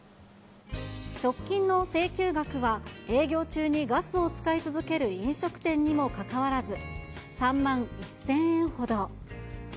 直近の請求額は、営業中にガスを使い続ける飲食店にもかかわらず、３万１０００円ほど。